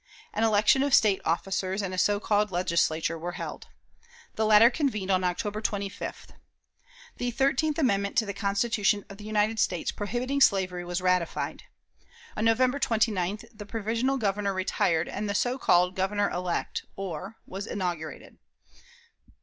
An election of State officers and a so called Legislature were held. The latter convened on October 25th. The thirteenth amendment to the Constitution of the United States prohibiting slavery was ratified. On November 29th the provisional Governor retired, and the so called Governor elect (Orr) was inaugurated.